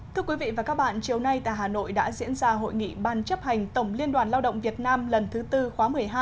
thưa quý vị và các bạn chiều nay tại hà nội đã diễn ra hội nghị ban chấp hành tổng liên đoàn lao động việt nam lần thứ tư khóa một mươi hai